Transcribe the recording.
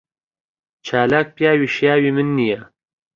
چالاک پیاوی شیاوی من نییە.